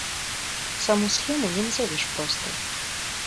Саму схему не назавеш простай.